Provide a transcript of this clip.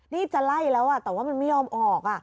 นี่จะไล่แล้วแต่ว่ามันไม่ยอมออก